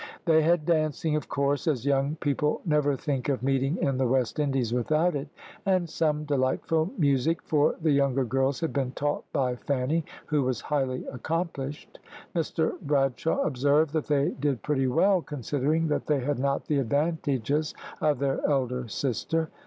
They had dancing, of course, as young people never think of meeting in the West Indies without it; and some delightful music, for the younger girls had been taught by Fanny, who was highly accomplished. Mr Bradshaw observed that they did pretty well considering that they had not the advantages of their elder sister.